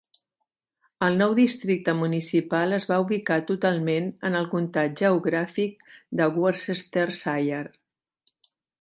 El nou districte municipal es va ubicar totalment en el comtat geogràfic de Worcestershire.